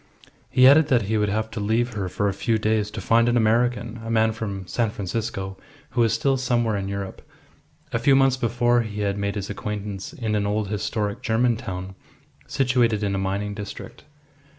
He added that he would have to leave her for a few days to find an American, a man from San Francisco, who was still somewhere in Europe. A few months before he had made his acquaintance in an old historic German town, situated in a mining district.